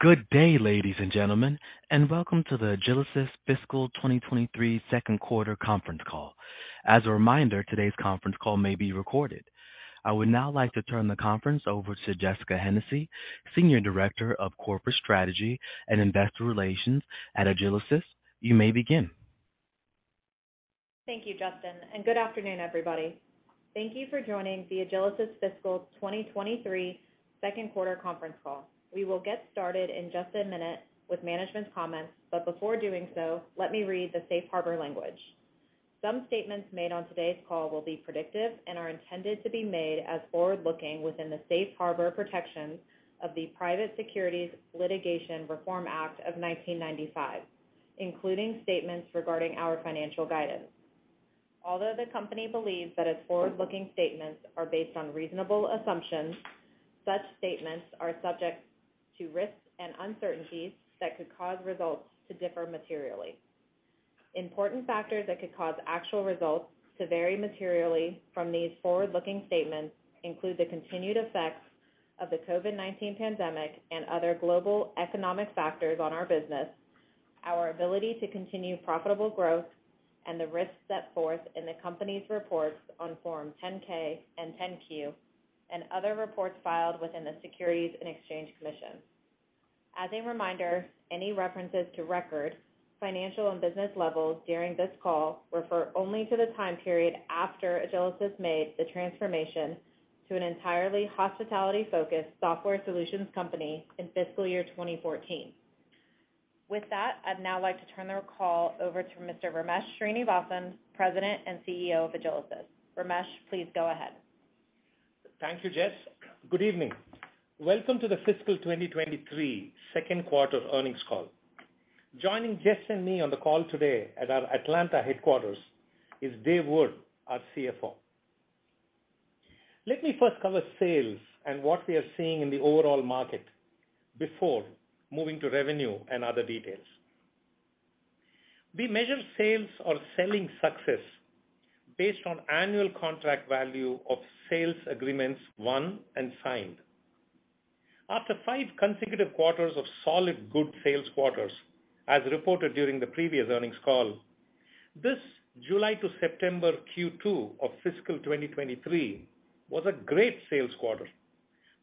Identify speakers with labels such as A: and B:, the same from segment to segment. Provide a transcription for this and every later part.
A: Good day, ladies and gentlemen. Welcome to the Agilysys Fiscal 2023 Second Quarter Conference Call. As a reminder, today's conference call may be recorded. I would now like to turn the conference over to Jessica Hennessy, Senior Director of Corporate Strategy and Investor Relations at Agilysys. You may begin.
B: Thank you, Justin. Good afternoon, everybody. Thank you for joining the Agilysys Fiscal 2023 Second Quarter Conference Call. We will get started in just a minute with management's comments. Before doing so, let me read the safe harbor language. Some statements made on today's call will be predictive and are intended to be made as forward-looking within the safe harbor protections of the Private Securities Litigation Reform Act of 1995, including statements regarding our financial guidance. Although the company believes that its forward-looking statements are based on reasonable assumptions, such statements are subject to risks and uncertainties that could cause results to differ materially. Important factors that could cause actual results to vary materially from these forward-looking statements include the continued effects of the COVID-19 pandemic and other global economic factors on our business, our ability to continue profitable growth, and the risks set forth in the company's Reports on Form 10-K and 10-Q and other reports filed within the Securities and Exchange Commission. As a reminder, any references to record, financial and business levels during this call refer only to the time period after Agilysys made the transformation to an entirely hospitality-focused software solutions company in fiscal year 2014. With that, I'd now like to turn the call over to Mr. Ramesh Srinivasan, President and CEO of Agilysys. Ramesh, please go ahead.
C: Thank you, Jess. Good evening. Welcome to the fiscal 2023 Second Quarter Earnings Call. Joining Jess and me on the call today at our Atlanta headquarters is Dave Wood, our CFO. Let me first cover sales and what we are seeing in the overall market before moving to revenue and other details. We measure sales or selling success based on annual contract value of sales agreements won and signed. After five consecutive quarters of solid good sales quarters, as reported during the previous earnings call, this July to September Q2 of fiscal 2023 was a great sales quarter,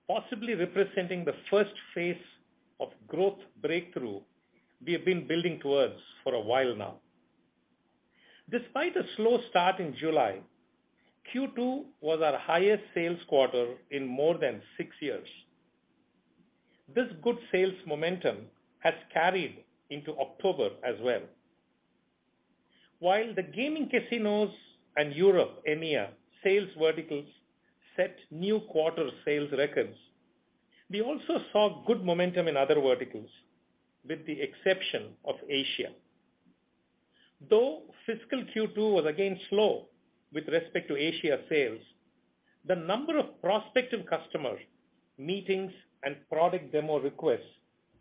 C: possibly representing the first phase of growth breakthrough we have been building towards for a while now. Despite a slow start in July, Q2 was our highest sales quarter in more than six years. This good sales momentum has carried into October as well. While the gaming casinos and Europe, EMEA, sales verticals set new quarter sales records, we also saw good momentum in other verticals, with the exception of Asia. Though fiscal Q2 was again slow with respect to Asia sales, the number of prospective customer meetings and product demo requests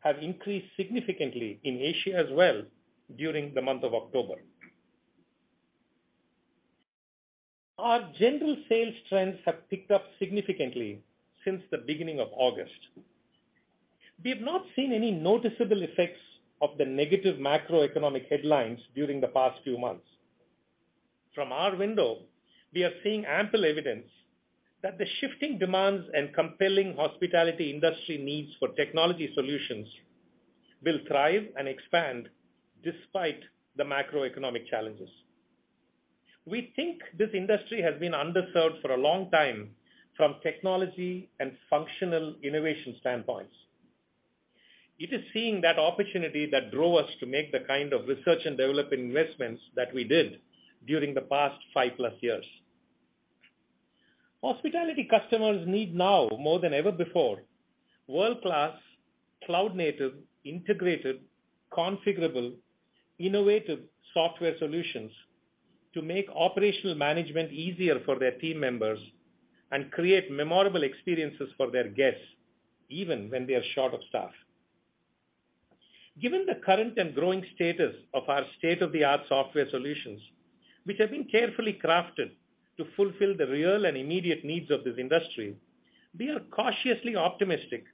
C: have increased significantly in Asia as well during the month of October. Our general sales trends have picked up significantly since the beginning of August. We have not seen any noticeable effects of the negative macroeconomic headlines during the past few months. From our window, we are seeing ample evidence that the shifting demands and compelling hospitality industry needs for technology solutions will thrive and expand despite the macroeconomic challenges. We think this industry has been underserved for a long time from technology and functional innovation standpoints. It is seeing that opportunity that drove us to make the kind of research and development investments that we did during the past 5+ years. Hospitality customers need now, more than ever before, world-class, cloud-native, integrated, configurable, innovative software solutions to make operational management easier for their team members and create memorable experiences for their guests, even when they are short of staff. Given the current and growing status of our state-of-the-art software solutions, which have been carefully crafted to fulfill the real and immediate needs of this industry, we are cautiously optimistic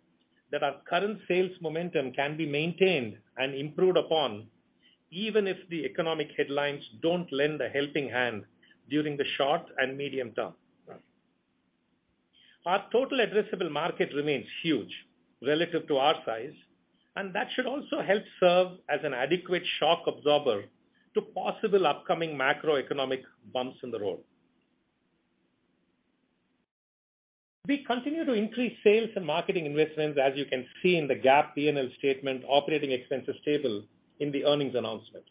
C: that our current sales momentum can be maintained and improved upon, even if the economic headlines don't lend a helping hand during the short and medium term. Our total addressable market remains huge relative to our size, and that should also help serve as an adequate shock absorber to possible upcoming macroeconomic bumps in the road. We continue to increase sales and marketing investments, as you can see in the GAAP P&L statement operating expenses table in the earnings announcement.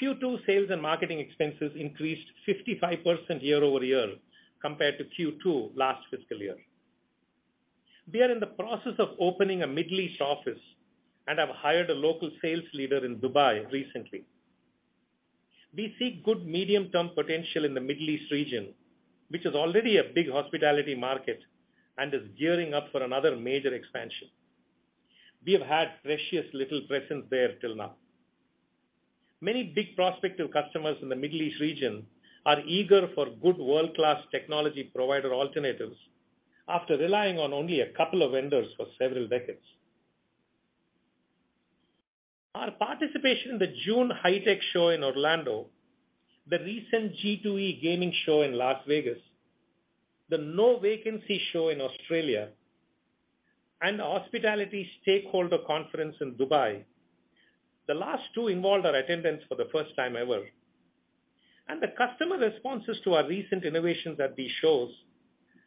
C: Q2 sales and marketing expenses increased 55% year-over-year compared to Q2 last fiscal year. We are in the process of opening a Middle East office and have hired a local sales leader in Dubai recently. We see good medium-term potential in the Middle East region, which is already a big hospitality market and is gearing up for another major expansion. We have had precious little presence there till now. Many big prospective customers in the Middle East region are eager for good world-class technology provider alternatives after relying on only a couple of vendors for several decades. Our participation in the June HITEC Show in Orlando, the recent G2E Gaming Show in Las Vegas, the NoVacancy Show in Australia, and the Hospitality Stakeholder Conference in Dubai, the last two involved our attendance for the first time ever, and the customer responses to our recent innovations at these shows,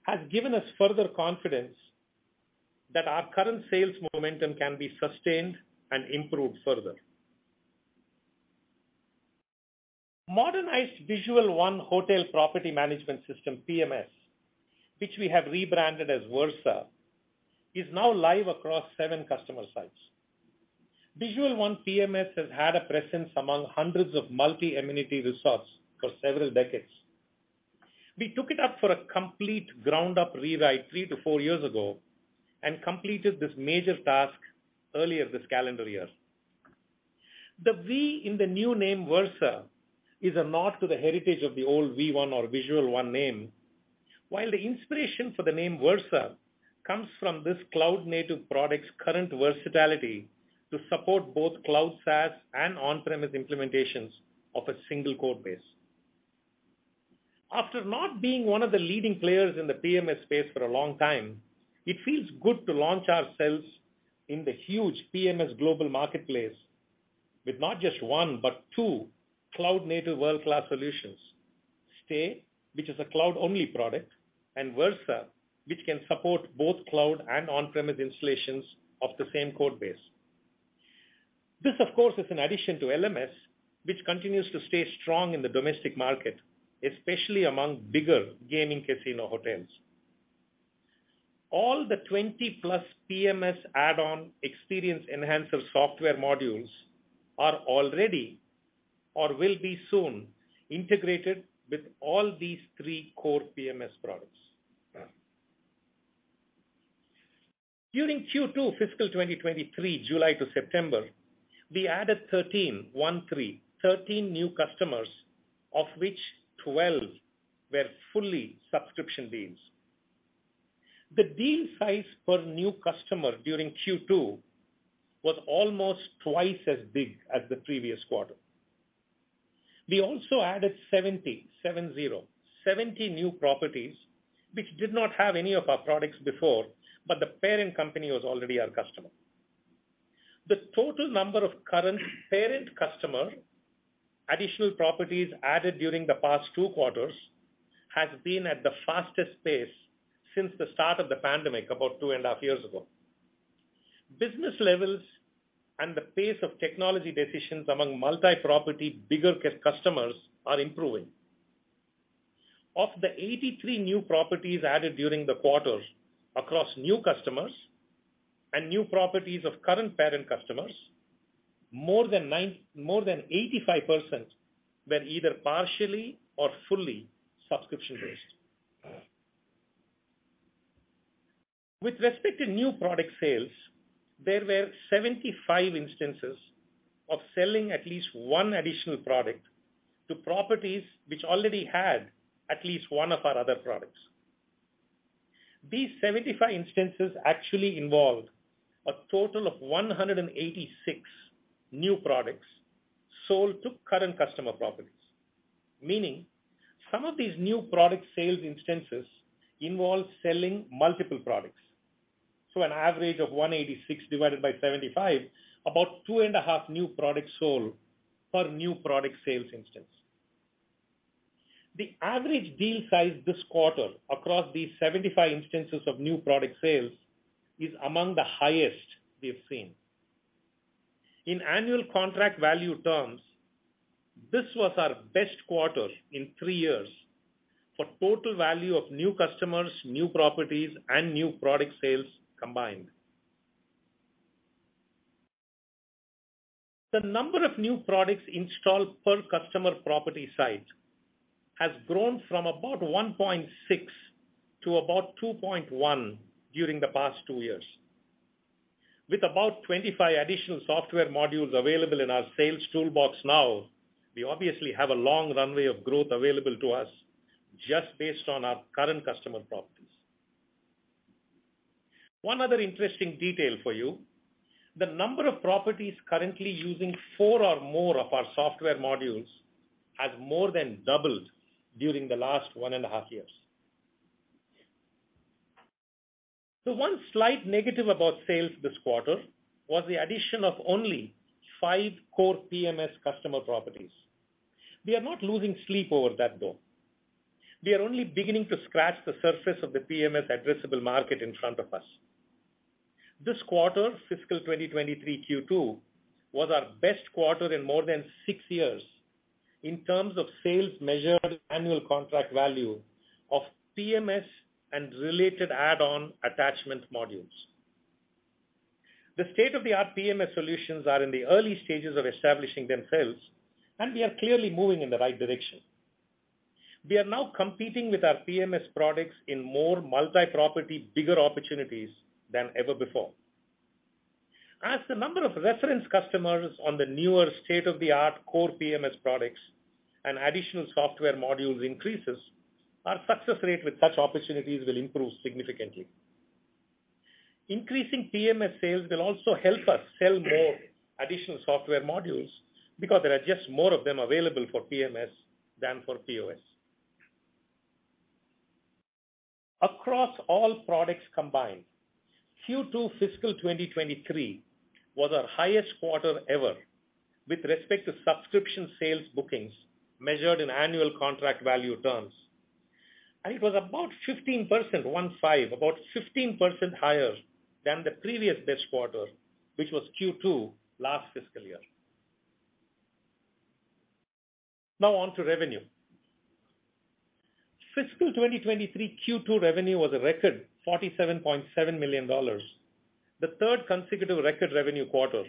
C: has given us further confidence that our current sales momentum can be sustained and improved further. Modernized Visual One hotel Property Management System, PMS, which we have rebranded as Versa, is now live across 7 customer sites. Visual One PMS has had a presence among hundreds of multi-amenity resorts for several decades. We took it up for a complete ground-up rewrite 3 to 4 years ago and completed this major task earlier this calendar year. The V in the new name, Versa, is a nod to the heritage of the old V.One or Visual One name. While the inspiration for the name Agilysys Versa comes from this cloud-native product's current versatility to support both cloud SaaS and on-premise implementations of a single code base. After not being one of the leading players in the PMS space for a long time, it feels good to launch ourselves in the huge PMS global marketplace with not just one, but two cloud-native world-class solutions. Agilysys Stay, which is a cloud-only product, and Agilysys Versa, which can support both cloud and on-premise installations of the same code base. This, of course, is an addition to Agilysys LMS, which continues to stay strong in the domestic market, especially among bigger gaming casino hotels. All the 20+ PMS add-on experience enhancer software modules are already or will be soon integrated with all these three core PMS products. During Q2 fiscal 2023, July to September, we added 13 new customers, of which 12 were fully subscription deals. The deal size per new customer during Q2 was almost twice as big as the previous quarter. We also added 70 new properties, which did not have any of our products before, but the parent company was already our customer. The total number of current parent customer additional properties added during the past 2 quarters has been at the fastest pace since the start of the pandemic about 2 and a half years ago. Business levels and the pace of technology decisions among multi-property bigger customers are improving. Of the 83 new properties added during the quarter across new customers and new properties of current parent customers, more than 85% were either partially or fully subscription-based. With respect to new product sales, there were 75 instances of selling at least one additional product to properties which already had at least one of our other products. These 75 instances actually involved a total of 186 new products sold to current customer properties. Meaning, some of these new product sales instances involve selling multiple products. An average of 186 divided by 75, about 2.5 new products sold per new product sales instance. The average deal size this quarter across these 75 instances of new product sales is among the highest we have seen. In annual contract value terms, this was our best quarter in three years for total value of new customers, new properties and new product sales combined. The number of new products installed per customer property site has grown from about 1.6 to about 2.1 during the past two years. With about 25 additional software modules available in our sales toolbox now, we obviously have a long runway of growth available to us just based on our current customer properties. One other interesting detail for you, the number of properties currently using four or more of our software modules has more than doubled during the last 1.5 years. The one slight negative about sales this quarter was the addition of only five core PMS customer properties. We are not losing sleep over that, though. We are only beginning to scratch the surface of the PMS addressable market in front of us. This quarter, fiscal 2023 Q2, was our best quarter in more than 6 years in terms of sales measured annual contract value of PMS and related add-on attachment modules. The state-of-the-art PMS solutions are in the early stages of establishing themselves. We are clearly moving in the right direction. We are now competing with our PMS products in more multi-property, bigger opportunities than ever before. As the number of reference customers on the newer state-of-the-art core PMS products and additional software modules increases, our success rate with such opportunities will improve significantly. Increasing PMS sales will also help us sell more additional software modules because there are just more of them available for PMS than for POS. Across all products combined, Q2 fiscal 2023 was our highest quarter ever with respect to subscription sales bookings measured in annual contract value terms. It was about 15%, 1 5, about 15% higher than the previous best quarter, which was Q2 last fiscal year. Now on to revenue. Fiscal 2023 Q2 revenue was a record $47.7 million. The third consecutive record revenue quarter,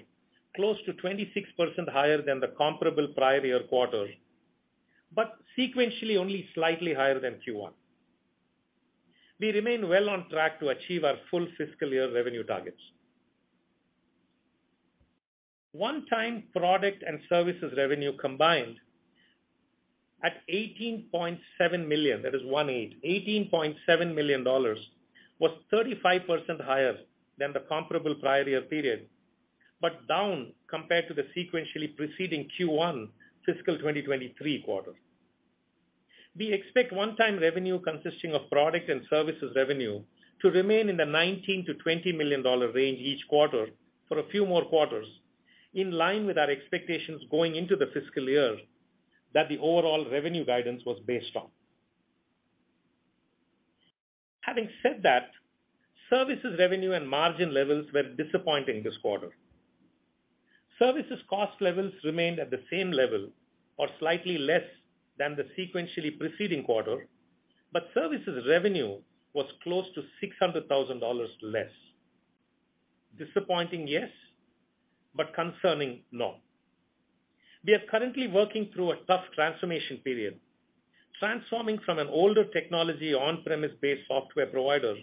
C: close to 26% higher than the comparable prior year quarter, but sequentially only slightly higher than Q1. We remain well on track to achieve our full fiscal year revenue targets. One-time product and services revenue combined at $18.7 million, that is 1 8, $18.7 million, was 35% higher than the comparable prior year period, but down compared to the sequentially preceding Q1 fiscal 2023 quarter. We expect one-time revenue consisting of product and services revenue to remain in the $19 million-$20 million range each quarter for a few more quarters, in line with our expectations going into the fiscal year that the overall revenue guidance was based on. Having said that, services revenue and margin levels were disappointing this quarter. Services cost levels remained at the same level or slightly less than the sequentially preceding quarter, services revenue was close to $600,000 less. Disappointing, yes, concerning, no. We are currently working through a tough transformation period. Transforming from an older technology on-premise-based software provider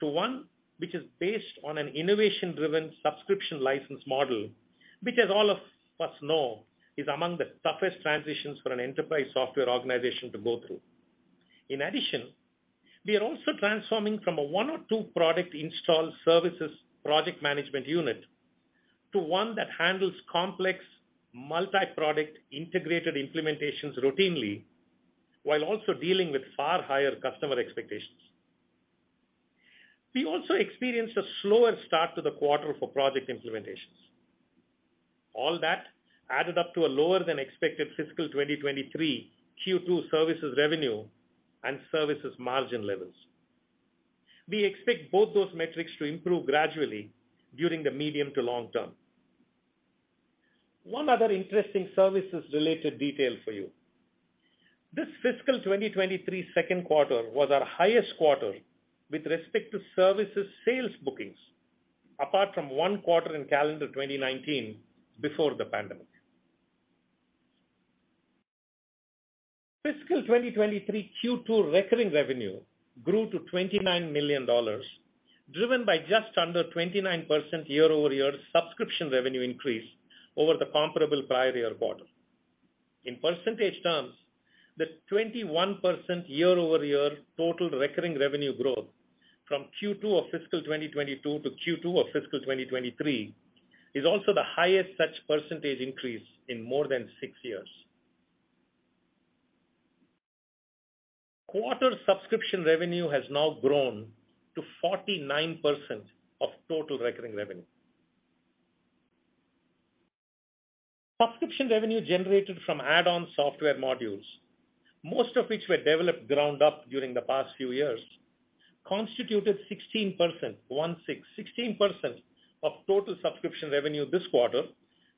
C: to one which is based on an innovation-driven subscription license model, which as all of us know, is among the toughest transitions for an enterprise software organization to go through. We are also transforming from a 1 or 2 product install services project management unit to one that handles complex multi-product integrated implementations routinely while also dealing with far higher customer expectations. We also experienced a slower start to the quarter for project implementations. All that added up to a lower than expected fiscal 2023 Q2 services revenue and services margin levels. We expect both those metrics to improve gradually during the medium to long term. One other interesting services related detail for you. This fiscal 2023 second quarter was our highest quarter with respect to services sales bookings, apart from one quarter in calendar 2019 before the pandemic. Fiscal 2023 Q2 recurring revenue grew to $29 million, driven by just under 29% year-over-year subscription revenue increase over the comparable prior year quarter. In percentage terms, the 21% year-over-year total recurring revenue growth from Q2 of fiscal 2022 to Q2 of fiscal 2023 is also the highest such percentage increase in more than six years. Quarter subscription revenue has now grown to 49% of total recurring revenue. Subscription revenue generated from add-on software modules, most of which were developed ground up during the past few years, constituted 16%, 16% of total subscription revenue this quarter,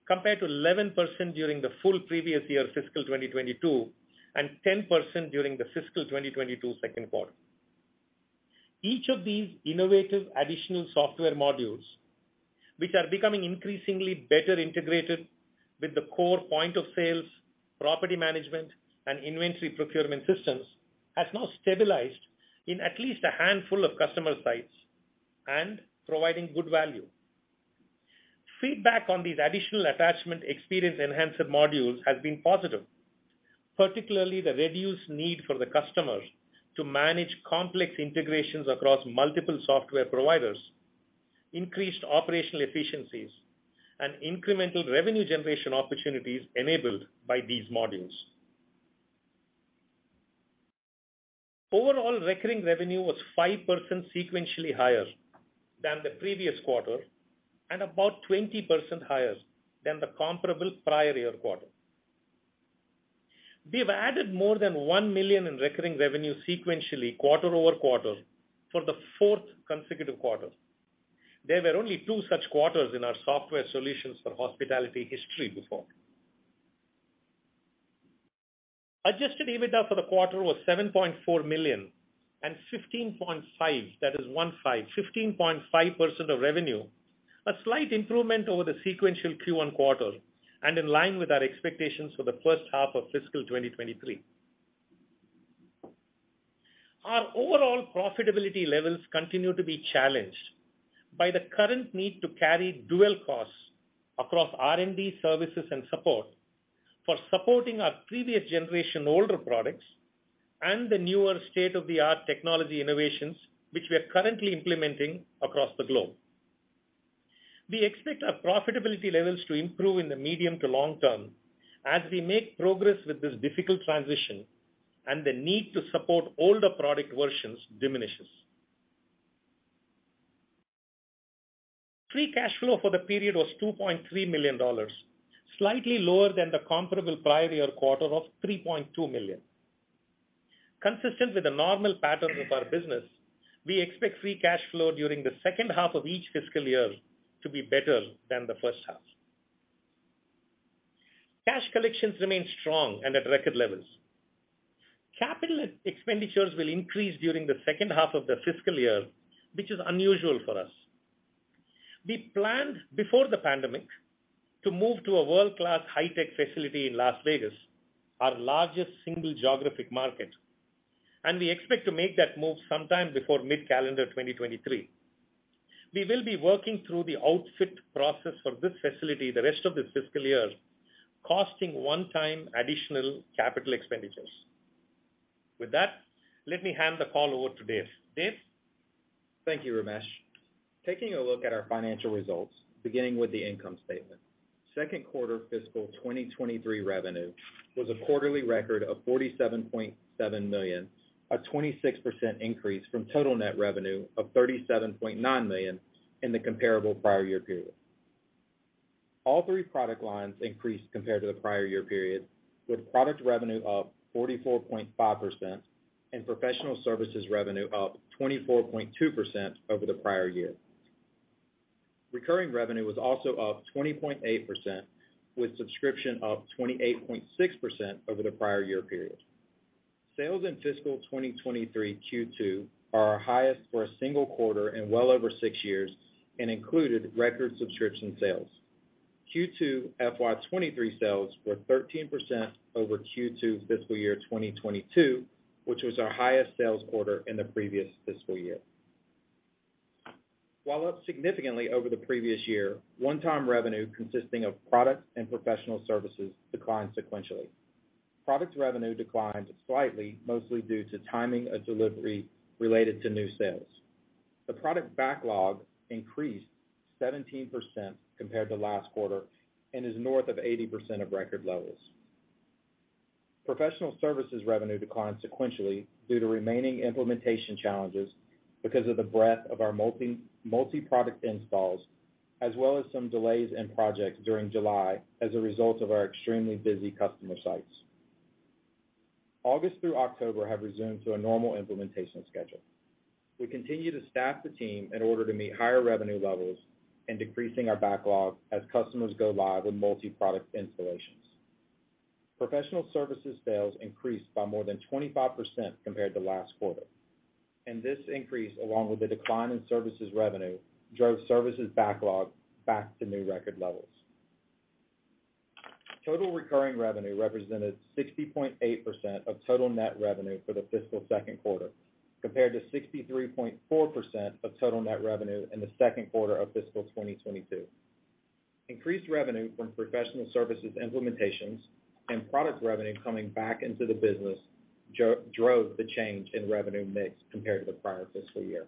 C: compared to 11% during the full previous year fiscal 2022, and 10% during the fiscal 2022 second quarter. Each of these innovative additional software modules, which are becoming increasingly better integrated with the core point of sales, property management, and inventory procurement systems, has now stabilized in at least a handful of customer sites and providing good value. Feedback on these additional attachment experience enhancer modules has been positive. Particularly, the reduced need for the customers to manage complex integrations across multiple software providers, increased operational efficiencies, and incremental revenue generation opportunities enabled by these modules. Overall, recurring revenue was 5% sequentially higher than the previous quarter and about 20% higher than the comparable prior year quarter. We have added more than $1 million in recurring revenue sequentially quarter-over-quarter for the fourth consecutive quarter. There were only two such quarters in our software solutions for hospitality history before. EBITDA for the quarter was $7.4 million and 15.5, that is 15.5% of revenue. A slight improvement over the sequential Q1 quarter and in line with our expectations for the first half of fiscal 2023. Our overall profitability levels continue to be challenged by the current need to carry dual costs across R&D services and support for supporting our previous generation older products and the newer state-of-the-art technology innovations which we are currently implementing across the globe. We expect our profitability levels to improve in the medium to long term as we make progress with this difficult transition and the need to support older product versions diminishes. Free cash flow for the period was $2.3 million, slightly lower than the comparable prior year quarter of $3.2 million. Consistent with the normal pattern of our business, we expect free cash flow during the second half of each fiscal year to be better than the first half. Cash collections remain strong and at record levels. Capital expenditures will increase during the second half of the fiscal year, which is unusual for us. We planned before the pandemic to move to a world-class high-tech facility in Las Vegas, our largest single geographic market, and we expect to make that move sometime before mid-calendar 2023. We will be working through the outfit process for this facility the rest of this fiscal year, costing one-time additional capital expenditures. With that, let me hand the call over to Dave. Dave?
D: Thank you, Ramesh. Taking a look at our financial results, beginning with the income statement. Second quarter fiscal 2023 revenue was a quarterly record of $47.7 million, a 26% increase from total net revenue of $37.9 million in the comparable prior year period. All three product lines increased compared to the prior year period, with product revenue up 44.5% and professional services revenue up 24.2% over the prior year. Recurring revenue was also up 20.8%, with subscription up 28.6% over the prior year period. Sales in fiscal 2023 Q2 are our highest for a single quarter in well over 6 years and included record subscription sales. Q2 FY 2023 sales were 13% over Q2 fiscal year 2022, which was our highest sales quarter in the previous fiscal year. While up significantly over the previous year, one-time revenue consisting of product and professional services declined sequentially. Product revenue declined slightly, mostly due to timing of delivery related to new sales. The product backlog increased 17% compared to last quarter and is north of 80% of record levels. Professional services revenue declined sequentially due to remaining implementation challenges because of the breadth of our multi-product installs, as well as some delays in projects during July as a result of our extremely busy customer sites. August through October have resumed to a normal implementation schedule. We continue to staff the team in order to meet higher revenue levels and decreasing our backlog as customers go live with multi-product installations. Professional services sales increased by more than 25% compared to last quarter. This increase, along with the decline in services revenue, drove services backlog back to new record levels. Total recurring revenue represented 60.8% of total net revenue for the fiscal second quarter, compared to 63.4% of total net revenue in the second quarter of fiscal 2022. Increased revenue from professional services implementations and product revenue coming back into the business drove the change in revenue mix compared to the prior fiscal year.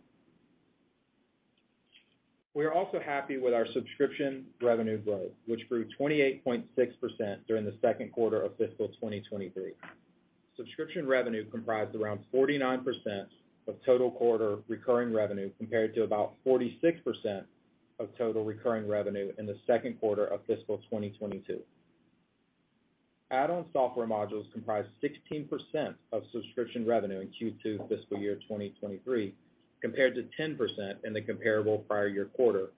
D: We are also happy with our subscription revenue growth, which grew 28.6% during the second quarter of fiscal 2023. Subscription revenue comprised around 49% of total quarter recurring revenue compared to about 46% of total recurring revenue in the second quarter of fiscal 2022. Add-on software modules comprised 16% of subscription revenue in Q2 fiscal year 2023, compared to 10% in the comparable prior year quarter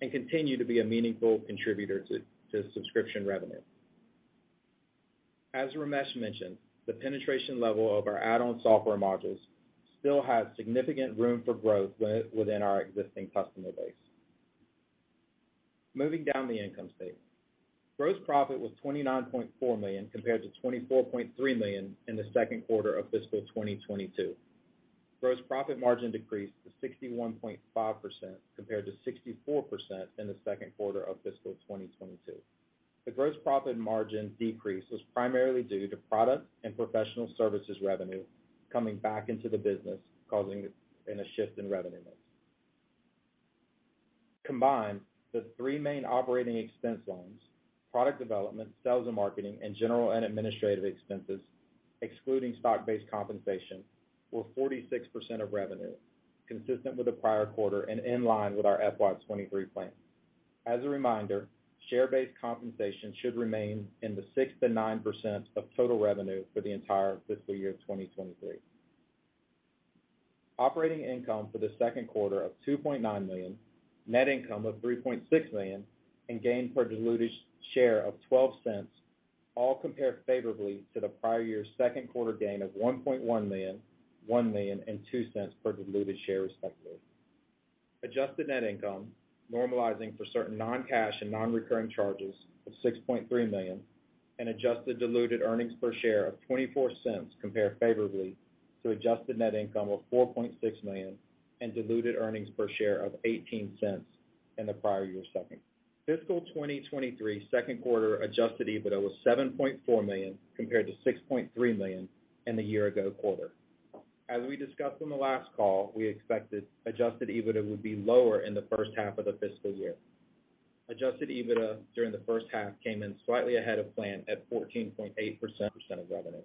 D: and continue to be a meaningful contributor to subscription revenue. As Ramesh mentioned, the penetration level of our add-on software modules still has significant room for growth within our existing customer base. Moving down the income statement. Gross profit was $29.4 million, compared to $24.3 million in the second quarter of fiscal 2022. Gross profit margin decreased to 61.5%, compared to 64% in the second quarter of fiscal 2022. The gross profit margin decrease was primarily due to product and professional services revenue coming back into the business, causing a shift in revenue mix. Combined, the three main operating expense lines, product development, sales and marketing, and general and administrative expenses, excluding stock-based compensation, were 46% of revenue, consistent with the prior quarter and in line with our FY 2023 plan. As a reminder, share-based compensation should remain in the 6%-9% of total revenue for the entire fiscal year 2023. Operating income for the second quarter of $2.9 million, net income of $3.6 million, and gain per diluted share of $0.12. All compare favorably to the prior year's second quarter gain of $1.1 million, $1 million and $0.02 per diluted share, respectively. Adjusted net income normalizing for certain non-cash and non-recurring charges of $6.3 million and adjusted diluted earnings per share of $0.24 compare favorably to adjusted net income of $4.6 million and diluted earnings per share of $0.18 in the prior year's second. Fiscal 2023 second quarter adjusted EBITDA was $7.4 million compared to $6.3 million in the year ago quarter. As we discussed on the last call, we expected adjusted EBITDA would be lower in the first half of the fiscal year. Adjusted EBITDA during the first half came in slightly ahead of plan at 14.8% of revenue.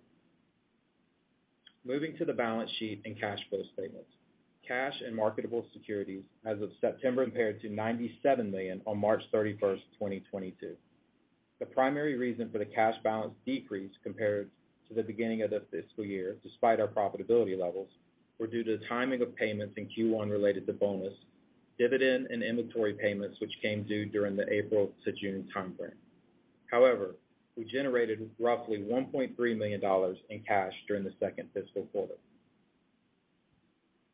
D: Moving to the balance sheet and cash flow statements. Cash and marketable securities as of September compared to $97 million on March 31, 2022. The primary reason for the cash balance decrease compared to the beginning of the fiscal year, despite our profitability levels, were due to the timing of payments in Q1 related to bonus, dividend and inventory payments, which came due during the April to June time frame. We generated roughly $1.3 million in cash during the second fiscal quarter.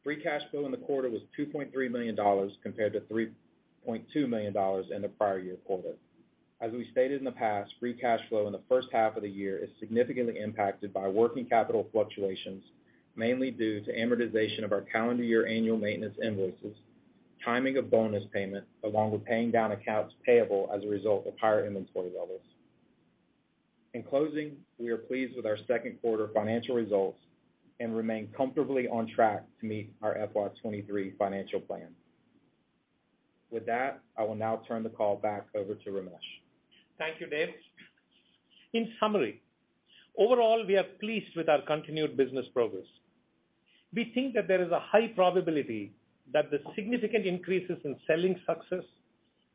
D: Free cash flow in the quarter was $2.3 million compared to $3.2 million in the prior year quarter. As we stated in the past, free cash flow in the first half of the year is significantly impacted by working capital fluctuations, mainly due to amortization of our calendar year annual maintenance invoices, timing of bonus payment, along with paying down accounts payable as a result of higher inventory levels. In closing, we are pleased with our second quarter financial results and remain comfortably on track to meet our FY 23 financial plan. With that, I will now turn the call back over to Ramesh.
C: Thank you, Dave. In summary, overall, we are pleased with our continued business progress. We think that there is a high probability that the significant increases in selling success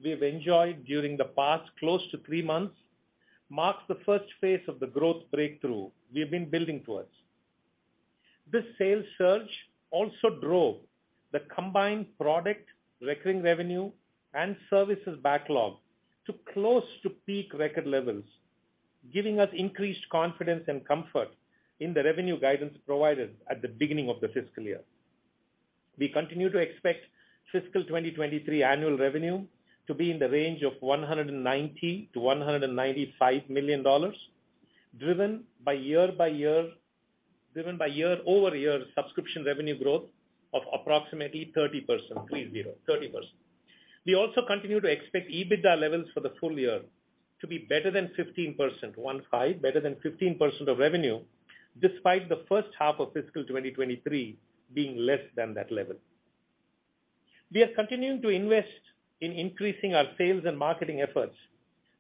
C: we have enjoyed during the past close to three months marks the first phase of the growth breakthrough we've been building towards. This sales surge also drove the combined product, recurring revenue and services backlog to close to peak record levels, giving us increased confidence and comfort in the revenue guidance provided at the beginning of the fiscal year. We continue to expect fiscal 2023 annual revenue to be in the range of $190 million-$195 million, driven by year-over-year subscription revenue growth of approximately 30%, 30, 30%. We also continue to expect EBITDA levels for the full year to be better than 15%, one five, better than 15% of revenue, despite the first half of fiscal 2023 being less than that level. We are continuing to invest in increasing our sales and marketing efforts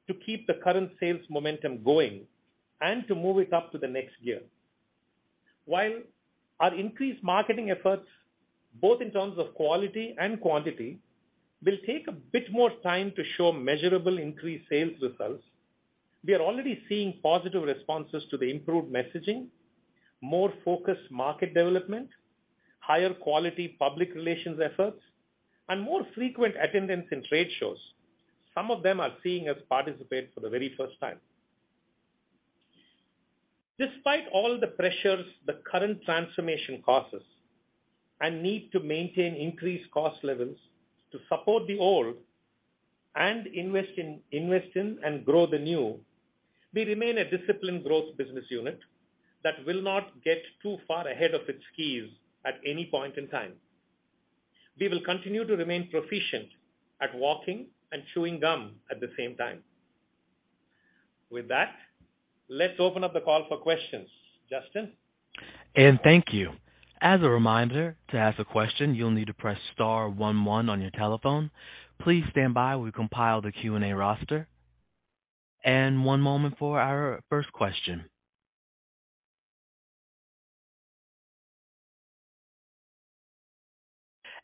C: to keep the current sales momentum going and to move it up to the next gear. Our increased marketing efforts, both in terms of quality and quantity, will take a bit more time to show measurable increased sales results, we are already seeing positive responses to the improved messaging, more focused market development, higher quality public relations efforts, and more frequent attendance in trade shows. Some of them are seeing us participate for the very first time. Despite all the pressures the current transformation causes and need to maintain increased cost levels to support the old and invest in and grow the new, we remain a disciplined growth business unit that will not get too far ahead of its skis at any point in time. We will continue to remain proficient at walking and chewing gum at the same time. With that, let's open up the call for questions. Justin?
A: Thank you. As a reminder, to ask a question, you'll need to press star one one on your telephone. Please stand by while we compile the Q&A roster. One moment for our first question.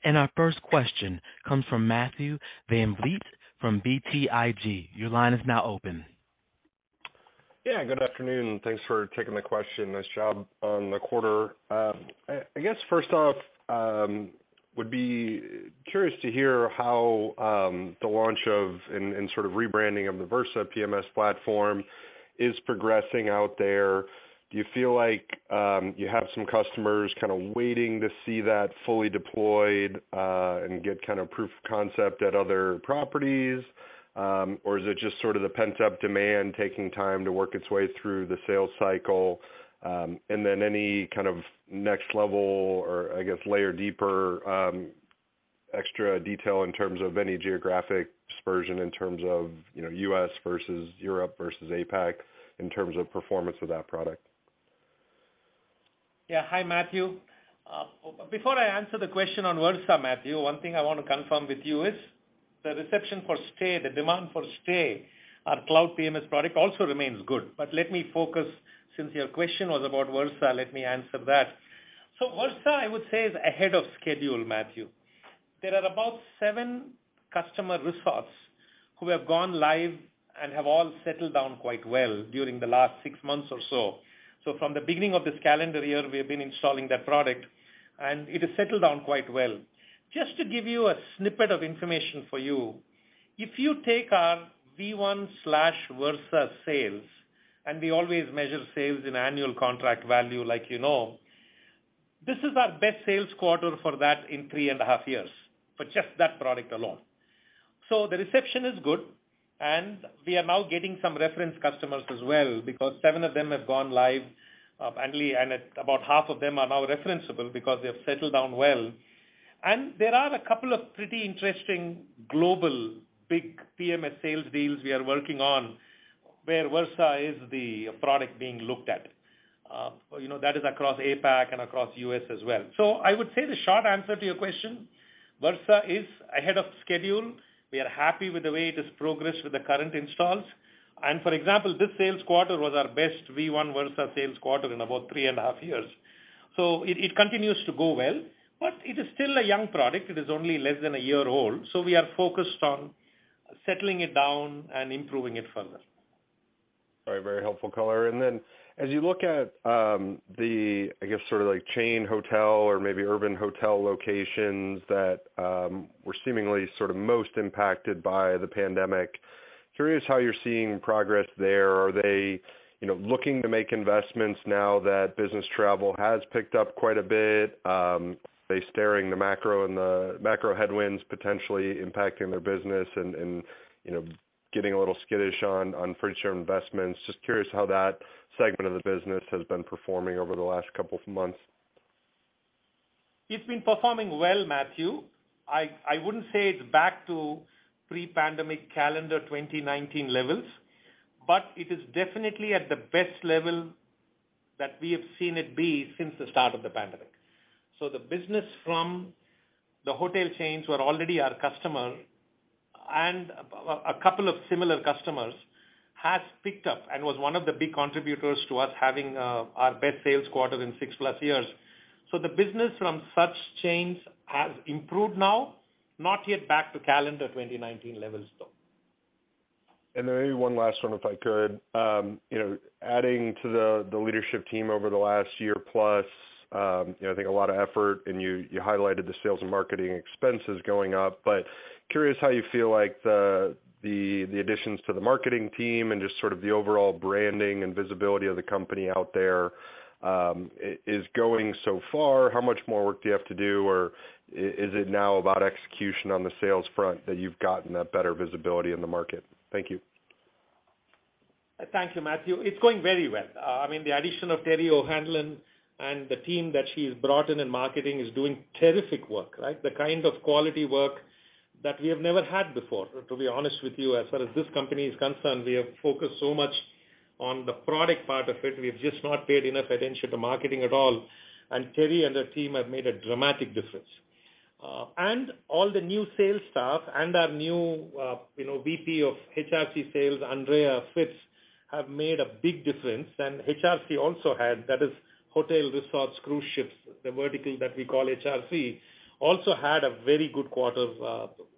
A: Our first question comes from Matthew VanVliet from BTIG. Your line is now open.
E: Yeah, good afternoon. Thanks for taking the question. Nice job on the quarter. I guess, first off, would be curious to hear how the launch of and sort of rebranding of the Versa PMS platform is progressing out there. Do you feel like you have some customers kind of waiting to see that fully deployed and get proof of concept at other properties? Or is it just sort of the pent-up demand taking time to work its way through the sales cycle? Any kind of next level or I guess layer deeper, extra detail in terms of any geographic dispersion in terms of, you know, U.S. versus Europe versus APAC in terms of performance with that product?
C: Yeah. Hi, Matthew. Before I answer the question on Versa, Matthew, one thing I want to confirm with you is the reception for Stay, the demand for Stay, our cloud PMS product, also remains good. Let me focus since your question was about Versa, let me answer that. Versa, I would say, is ahead of schedule, Matthew. There are about 7 customer resorts who have gone live and have all settled down quite well during the last 6 months or so. From the beginning of this calendar year, we have been installing that product, and it has settled down quite well. Just to give you a snippet of information for you, if you take our Visual One/Versa sales, and we always measure sales in annual contract value like you know, this is our best sales quarter for that in 3.5 years for just that product alone. The reception is good, and we are now getting some reference customers as well, because 7 of them have gone live, and about half of them are now referenceable because they have settled down well. There are a couple of pretty interesting global big PMS sales deals we are working on where Versa is the product being looked at. You know, that is across APAC and across the U.S. as well. I would say the short answer to your question, Versa is ahead of schedule. We are happy with the way it has progressed with the current installs. For example, this sales quarter was our best V1 Versa sales quarter in about 3.5 years. It continues to go well, but it is still a young product. It is only less than a year old, so we are focused on settling it down and improving it further.
E: Very, very helpful color. As you look at, the, I guess, sort of like chain hotel or maybe urban hotel locations that were seemingly sort of most impacted by the pandemic, curious how you're seeing progress there. Are they, you know, looking to make investments now that business travel has picked up quite a bit? Are they staring the macro and the macro headwinds potentially impacting their business and, you know, getting a little skittish on future investments? Just curious how that segment of the business has been performing over the last couple of months.
C: It's been performing well, Matthew. I wouldn't say it's back to pre-pandemic calendar 2019 levels, but it is definitely at the best level that we have seen it be since the start of the pandemic. The business from the hotel chains who are already our customer and a couple of similar customers has picked up and was one of the big contributors to us having our best sales quarter in 6+ years. The business from such chains has improved now, not yet back to calendar 2019 levels, though.
E: Maybe one last one, if I could? You know, adding to the leadership team over the last year plus, you know, I think a lot of effort, and you highlighted the sales and marketing expenses going up. Curious how you feel like the additions to the marketing team and just sort of the overall branding and visibility of the company out there is going so far. How much more work do you have to do? Or is it now about execution on the sales front that you've gotten that better visibility in the market? Thank you.
C: Thank you, Matthew. It's going very well. I mean, the addition of Terrie O'Hanlon and the team that she's brought in in marketing is doing terrific work, right? The kind of quality work that we have never had before, to be honest with you. As far as this company is concerned, we have focused so much on the product part of it, we've just not paid enough attention to marketing at all. Teri and her team have made a dramatic difference. All the new sales staff and our new, you know, VP of HRC sales, Andrea Deutsch, have made a big difference. HRC also had, that is Hotel Resorts Cruise Ships, the vertical that we call HRC, also had a very good quarter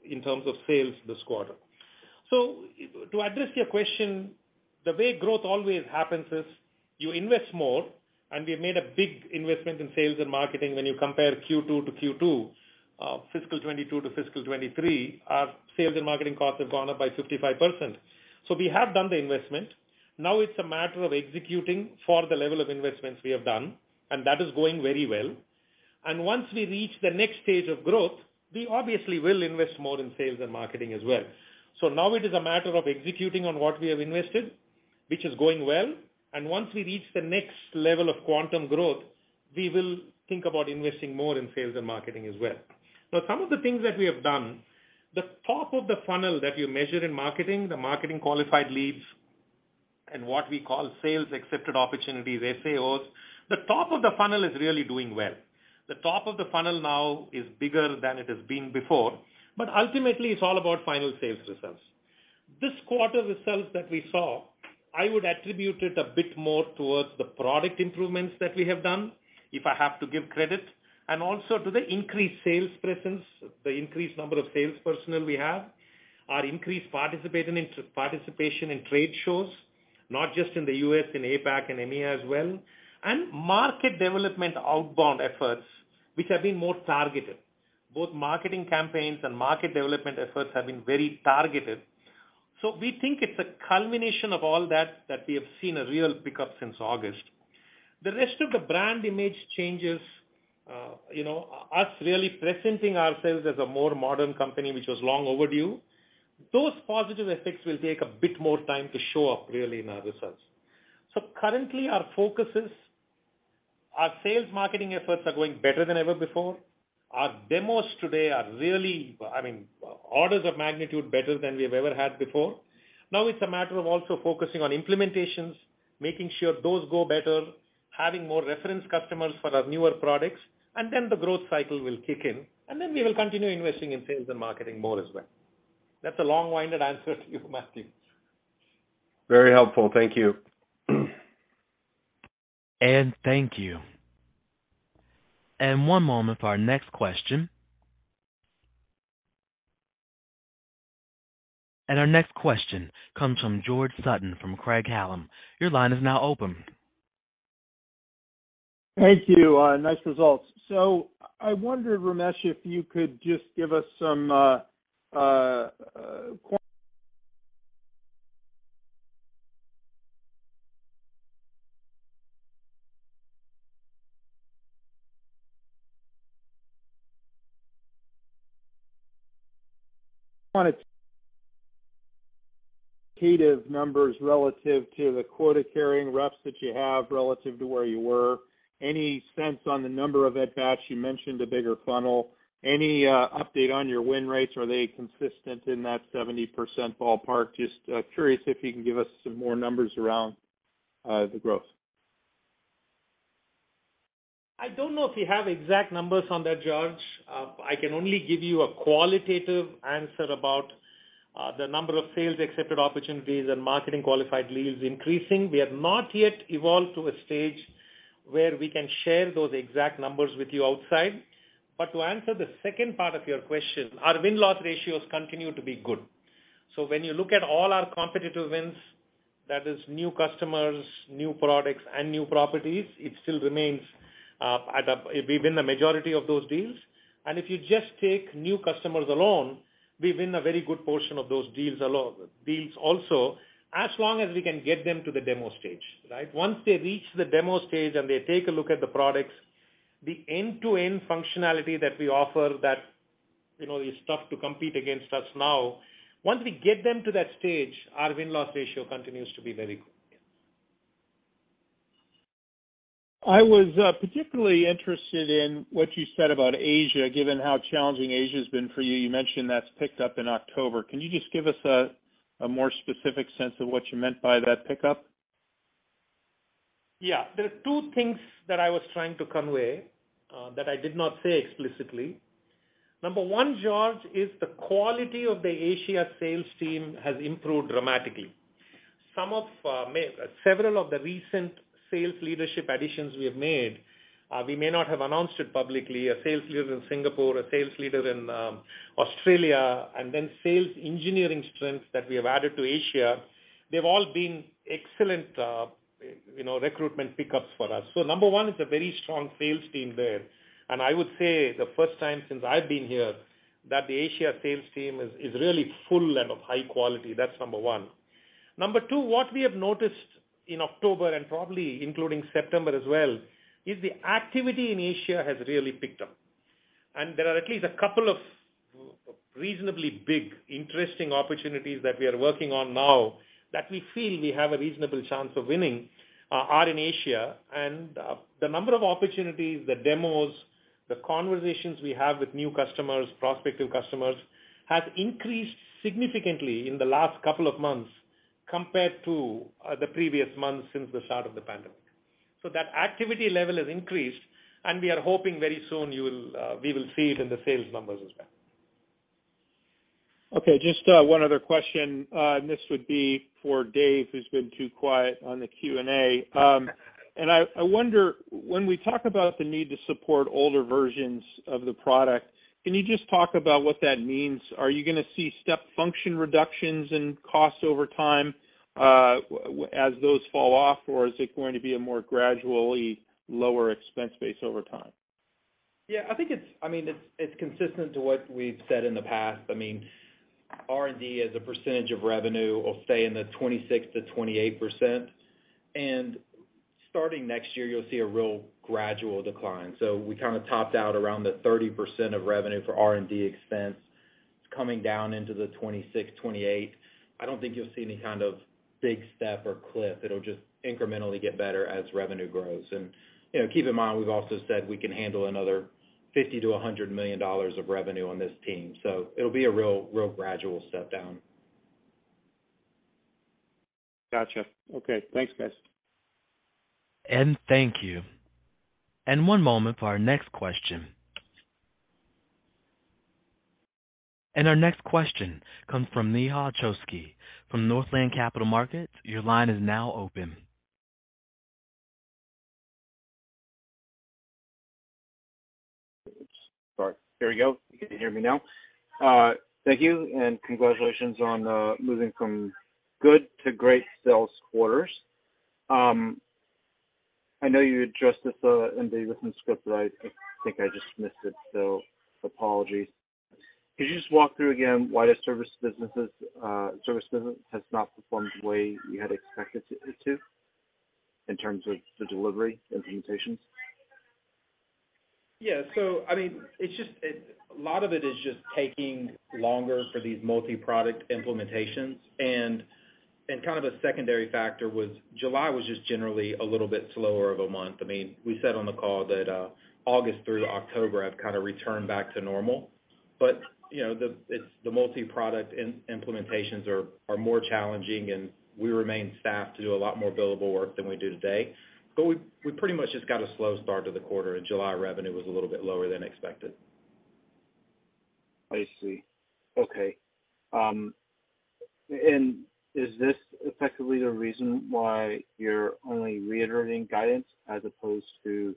C: in terms of sales this quarter. To address your question, the way growth always happens is you invest more, and we have made a big investment in sales and marketing when you compare Q2 to Q2, fiscal 2022 to fiscal 2023. Our sales and marketing costs have gone up by 55%. We have done the investment. Now it's a matter of executing for the level of investments we have done, and that is going very well. Once we reach the next stage of growth, we obviously will invest more in sales and marketing as well. Now it is a matter of executing on what we have invested, which is going well. Once we reach the next level of quantum growth, we will think about investing more in sales and marketing as well. Some of the things that we have done, the top of the funnel that you measure in marketing, the marketing qualified leads and what we call sales accepted opportunities, SAOs, the top of the funnel is really doing well. The top of the funnel now is bigger than it has been before. Ultimately, it's all about final sales results. This quarter results that we saw, I would attribute it a bit more towards the product improvements that we have done, if I have to give credit, and also to the increased sales presence, the increased number of sales personnel we have, our increased participation in trade shows, not just in the US, in APAC and EMEA as well, and market development outbound efforts, which have been more targeted. Both marketing campaigns and market development efforts have been very targeted. We think it's a culmination of all that we have seen a real pickup since August. The rest of the brand image changes, you know, us really presenting ourselves as a more modern company, which was long overdue. Those positive effects will take a bit more time to show up really in our results. Currently our focus is our sales marketing efforts are going better than ever before. Our demos today are really, I mean, orders of magnitude better than we've ever had before. Now it's a matter of also focusing on implementations, making sure those go better, having more reference customers for our newer products, and then the growth cycle will kick in, and then we will continue investing in sales and marketing more as well. That's a long-winded answer to you, Matthew.
E: Very helpful. Thank you.
A: Thank you. One moment for our next question. Our next question comes from George Sutton from Craig-Hallum. Your line is now open.
F: Thank you. Nice results. I wonder, Ramesh, if you could just give us some quantitative numbers relative to the quota-carrying reps that you have relative to where you were. Any sense on the number of it that you mentioned, the bigger funnel? Any update on your win rates? Are they consistent in that 70% ballpark? Just curious if you can give us some more numbers around the growth.
C: I don't know if we have exact numbers on that, George. I can only give you a qualitative answer about the number of Sales Accepted Opportunities and Marketing Qualified Leads increasing. We have not yet evolved to a stage where we can share those exact numbers with you outside. To answer the second part of your question, our win-loss ratios continue to be good. When you look at all our competitive wins, that is new customers, new products and new properties, it still remains, we win the majority of those deals. If you just take new customers alone, we win a very good portion of those deals also, as long as we can get them to the demo stage, right? Once they reach the demo stage and they take a look at the products, the end-to-end functionality that we offer that, you know, is tough to compete against us now. Once we get them to that stage, our win-loss ratio continues to be very good. Yeah.
F: I was particularly interested in what you said about Asia, given how challenging Asia has been for you. You mentioned that's picked up in October. Can you just give us a more specific sense of what you meant by that pickup?
C: Yeah. There are two things that I was trying to convey that I did not say explicitly. Number one, George, is the quality of the Asia sales team has improved dramatically. Some of Several of the recent sales leadership additions we have made, we may not have announced it publicly. A sales leader in Singapore, a sales leader in Australia, and then sales engineering strengths that we have added to Asia, they've all been excellent, you know, recruitment pickups for us. Number one, it's a very strong sales team there. I would say the first time since I've been here that the Asia sales team is really full and of high quality. That's number one. Number two, what we have noticed in October, and probably including September as well, is the activity in Asia has really picked up. There are at least a couple of reasonably big interesting opportunities that we are working on now that we feel we have a reasonable chance of winning, are in Asia. The number of opportunities, the demos, the conversations we have with new customers, prospective customers, has increased significantly in the last couple of months compared to the previous months since the start of the pandemic. That activity level has increased, and we are hoping very soon we will see it in the sales numbers as well.
F: Okay, just one other question, this would be for Dave, who's been too quiet on the Q&A. I wonder, when we talk about the need to support older versions of the product, can you just talk about what that means? Are you gonna see step function reductions in costs over time, as those fall off, or is it going to be a more gradually lower expense base over time?
D: Yeah, I think it's, I mean, it's consistent to what we've said in the past. I mean, R&D as a percentage of revenue will stay in the 26%-28%. Starting next year, you'll see a real gradual decline. We kinda topped out around the 30% of revenue for R&D expense. It's coming down into the 26%, 28%. I don't think you'll see any kind of big step or cliff. It'll just incrementally get better as revenue grows. You know, keep in mind, we've also said we can handle another $50 million-$100 million of revenue on this team. It'll be a real gradual step down.
F: Got you. Okay. Thanks, guys.
A: Thank you. One moment for our next question. Our next question comes from Nehal Choksi from Northland Capital Markets. Your line is now open.
G: Sorry. Here we go. Can you hear me now? Thank you, congratulations on moving from good to great sales quarters. I know you addressed this in the written script, but I think I just missed it, so apologies. Could you just walk through again why the service business has not performed the way you had expected it to in terms of the delivery implementations?
D: I mean, it's just A lot of it is just taking longer for these multi-product implementations. And kind of a secondary factor was July was just generally a little bit slower of a month. I mean, we said on the call that August through October have kinda returned back to normal. You know, the multi-product implementations are more challenging, and we remain staffed to do a lot more billable work than we do today. We pretty much just got a slow start to the quarter, and July revenue was a little bit lower than expected.
G: I see. Okay. Is this effectively the reason why you're only reiterating guidance as opposed to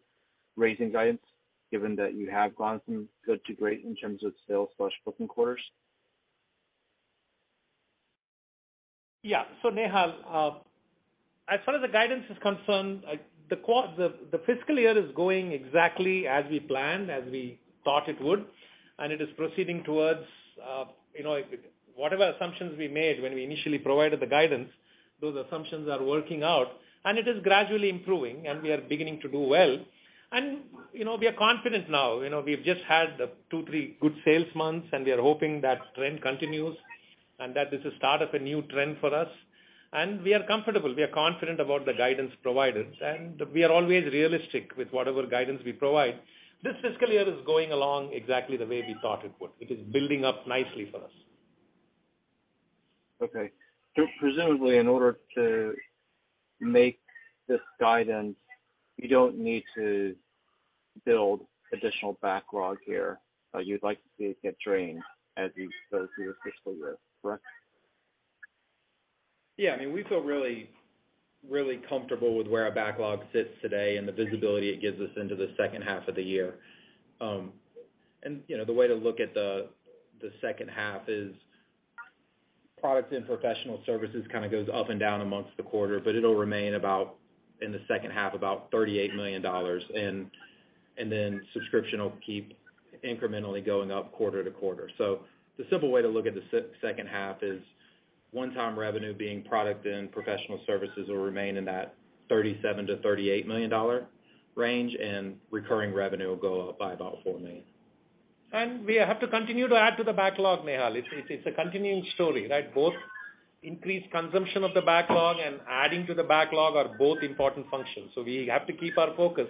G: raising guidance, given that you have gone from good to great in terms of sales/booking quarters?
C: Yeah. Nehal, as far as the guidance is concerned, like the fiscal year is going exactly as we planned, as we thought it would. It is proceeding towards, you know, whatever assumptions we made when we initially provided the guidance, those assumptions are working out, and it is gradually improving, and we are beginning to do well. You know, we are confident now. You know, we've just had two, three good sales months, and we are hoping that trend continues and that this is start of a new trend for us. We are comfortable. We are confident about the guidance provided, and we are always realistic with whatever guidance we provide. This fiscal year is going along exactly the way we thought it would. It is building up nicely for us.
G: Okay. Presumably in order to make this guidance, you don't need to build additional backlog here, you'd like to see it get drained as you go through the fiscal year, correct?
D: Yeah. I mean, we feel really, really comfortable with where our backlog sits today and the visibility it gives us into the second half of the year. You know, the way to look at the second half is products and professional services kind of goes up and down amongst the quarter, but it'll remain about, in the second half, about $38 million. Subscription will keep incrementally going up quarter to quarter. The simple way to look at the second half is one-time revenue being product and professional services will remain in that $37 million-$38 million range, and recurring revenue will go up by about $4 million.
C: We have to continue to add to the backlog, Nehal. It's a continuing story, right? Both increased consumption of the backlog and adding to the backlog are both important functions. We have to keep our focus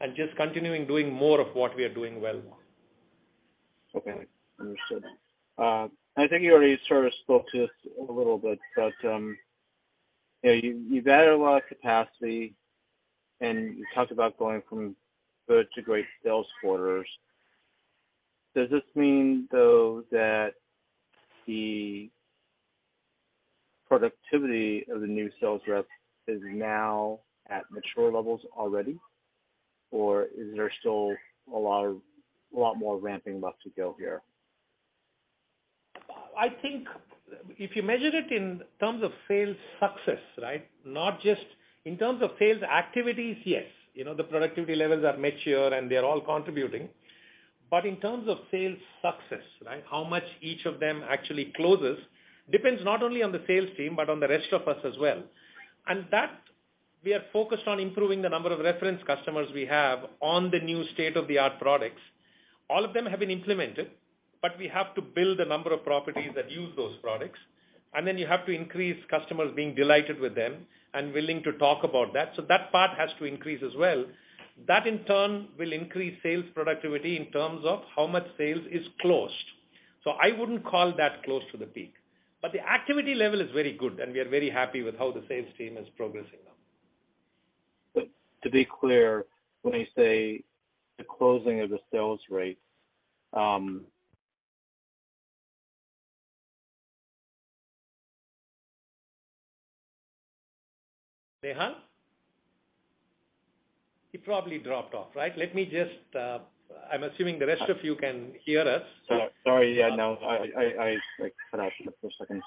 C: and just continuing doing more of what we are doing well now.
G: Okay. Understood. I think you already sort of spoke to this a little bit, but, you know, you've added a lot of capacity, and you talked about going from good to great sales quarters. Does this mean, though, that the productivity of the new sales reps is now at mature levels already, or is there still a lot more ramping left to go here?
C: I think if you measure it in terms of sales success, right? In terms of sales activities, yes. You know, the productivity levels are mature, and they're all contributing. In terms of sales success, right, how much each of them actually closes, depends not only on the sales team, but on the rest of us as well. That we are focused on improving the number of reference customers we have on the new state-of-the-art products. All of them have been implemented, but we have to build the number of properties that use those products, and then you have to increase customers being delighted with them and willing to talk about that part has to increase as well. That in turn will increase sales productivity in terms of how much sales is closed. I wouldn't call that close to the peak. The activity level is very good, and we are very happy with how the sales team is progressing now.
G: To be clear, when you say the closing of the sales rate?
C: Nehal? He probably dropped off, right? Let me just, I'm assuming the rest of you can hear us.
G: Sorry, yeah, no, I cut out for a second.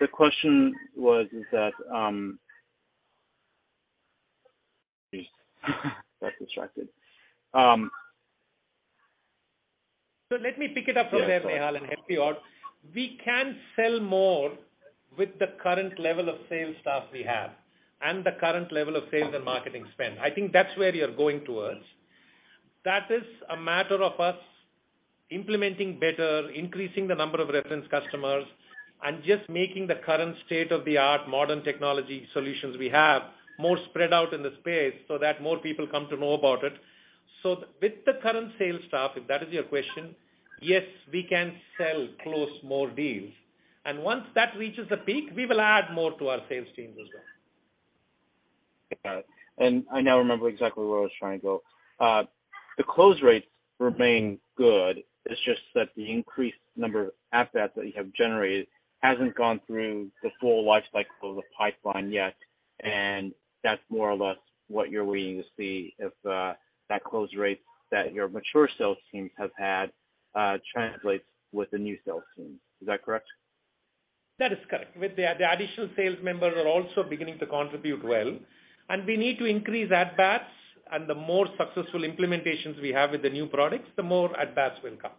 G: The question was is that. Got distracted.
C: Let me pick it up from there, Nehal, and help you out. We can sell more with the current level of sales staff we have and the current level of sales and marketing spend. I think that's where you're going towards. That is a matter of us implementing better, increasing the number of reference customers, and just making the current state-of-the-art modern technology solutions we have more spread out in the space so that more people come to know about it. With the current sales staff, if that is your question, yes, we can sell, close more deals. Once that reaches the peak, we will add more to our sales team as well.
G: Got it. I now remember exactly where I was trying to go. The close rates remain good. It's just that the increased number of assets that you have generated hasn't gone through the full lifecycle of the pipeline yet, and that's more or less what you're waiting to see if that close rate that your mature sales teams have had translates with the new sales team. Is that correct?
C: That is correct. With the additional sales members are also beginning to contribute well. We need to increase at-bats, and the more successful implementations we have with the new products, the more at-bats will come.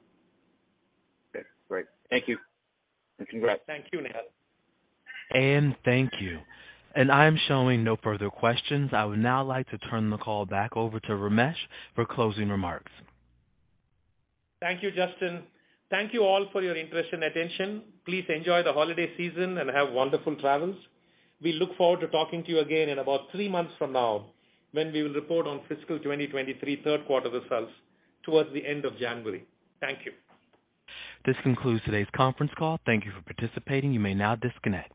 G: Okay, great. Thank you, and congrats.
C: Thank you, Nehal.
A: Thank you. I am showing no further questions. I would now like to turn the call back over to Ramesh for closing remarks.
C: Thank you, Justin. Thank you all for your interest and attention. Please enjoy the holiday season and have wonderful travels. We look forward to talking to you again in about three months from now when we will report on fiscal 2023 third quarter results towards the end of January. Thank you.
A: This concludes today's conference call. Thank you for participating. You may now disconnect.